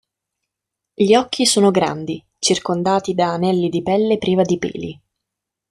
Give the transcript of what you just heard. Gli occhi sono grandi, circondati da anelli di pelle priva di peli.